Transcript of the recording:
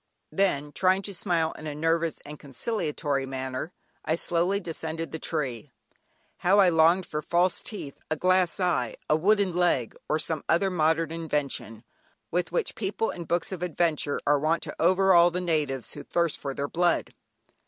Then, trying to smile in a nervous and conciliatory manner, I slowly descended the tree. How I longed for false teeth, a glass eye, a wooden leg, or some other modern invention, with which people in books of adventure are wont to overawe the natives who thirst for their blood.